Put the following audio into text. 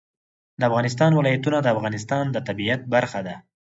د افغانستان ولايتونه د افغانستان د طبیعت برخه ده.